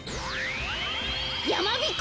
やまびこ